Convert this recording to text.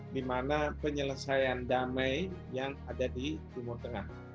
dimana penyelesaian damai yang ada di rumur tengah